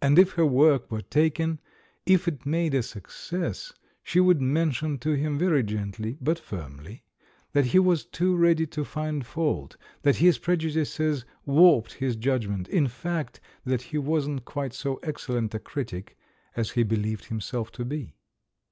And if her work S90 THE MAN WHO UNDERSTOOD WOMEN were taken, if it made a success, she would men tion to him, very gently, but firmly, that he was too ready to find fault, that his prejudices warped his judgment — in fact, that he wasn't quite so excellent a critic as he believed himself to be.